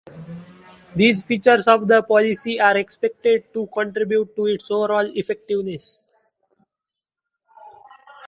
These features of the policy are expected to contribute to its overall effectiveness.